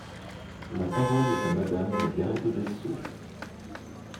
La parole est à Madame la garde des sceaux.